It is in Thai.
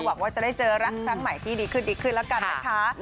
หวังว่าจะได้เจอรักครั้งใหม่ที่ดีขึ้นดีขึ้นแล้วกันนะคะ